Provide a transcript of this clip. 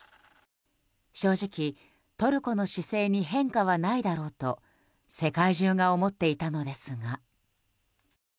正直、トルコの姿勢に変化はないだろうと世界中が思っていたのですが。